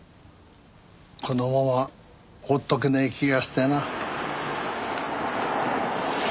このまま放っとけない気がしてな。